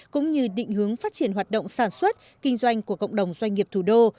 cũng như định hướng phát triển hoạt động sản xuất kinh doanh của cộng đồng doanh nghiệp thủ đô